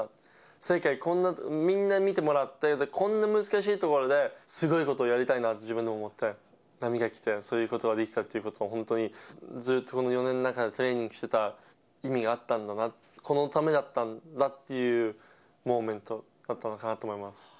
世界、こんな、みんな見てもらって、こんな難しいところで、すごいことをやりたいなって自分で思って、波が来て、そういうことができたっていうことは、本当にずっとこの４年の中でトレーニングしてた意味があったんだな、このためだったんだっていうモーメントだったのかなと思います。